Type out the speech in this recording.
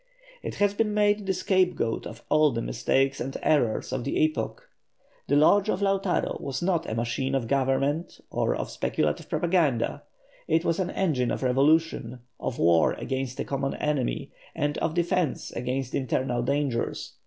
It has been made the scapegoat of all the mistakes and errors of the epoch. The Lodge of Lautaro was not a machine of government or of speculative propaganda, it was an engine of revolution, of war against a common enemy, and of defence against internal dangers.